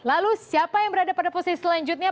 lalu siapa yang berada pada posisi selanjutnya